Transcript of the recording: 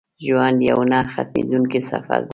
ژوند یو نه ختمېدونکی سفر دی.